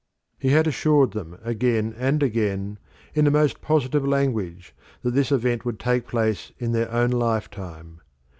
He had assured them again and again, in the most positive language, that this event would take place in their own lifetime.